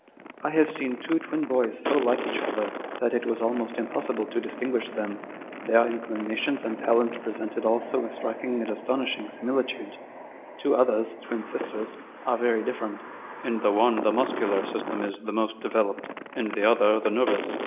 " I have seen two twin boys so like each other, that it was almost impossible to distinguish them. Their incli nations and talents presented also a striking and astonish ing similitude. Two others, twin sisters, are very dif ferent : in the one the muscular system is the most developed, in the other the nervous.